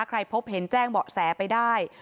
ใครพบเห็นแจ้งบอกแสไปได้